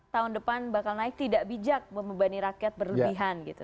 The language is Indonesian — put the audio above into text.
tahun depan bakal naik tidak bijak membebani rakyat berlebihan gitu